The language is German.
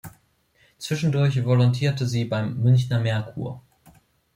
Zwischendurch volontierte sie beim "Münchner Merkur".